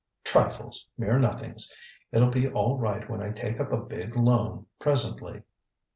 ŌĆØ ŌĆ£Trifles! Mere nothings! ItŌĆÖll be all right when I take up a big loan, presently.